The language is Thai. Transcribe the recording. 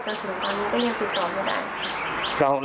จนถึงตอนนี้ก็ยังติดต่อไม่ได้ค่ะ